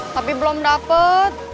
tapi belum dapet